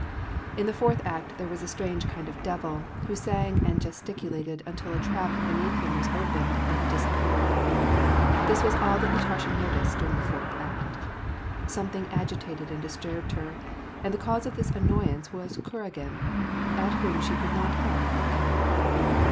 In the fourth act there was a strange kind of devil, who sang and gesticulated until a trap beneath him was opened, and he disappeared. This was all that Natasha noticed during the fourth act. Something agitated and disturbed her, and the cause of this annoyance was Kuragin, at whom she could not help looking.